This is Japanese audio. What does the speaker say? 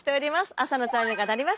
朝のチャイムが鳴りました。